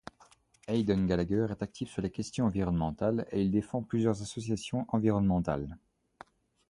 Aidan Gallagher est actif sur les questions environnementales et il défend plusieurs associations environnementales.